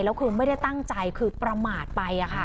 แล้วคือไม่ได้ตั้งใจคือประมาทไป